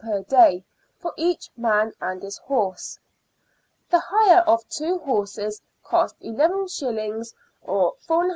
per day for each man and his horse. The hire of two horses cost IIS., or 4|d.